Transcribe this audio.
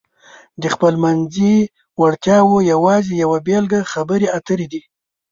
د خپلمنځي وړتیاو یوازې یوه بېلګه خبرې اترې دي.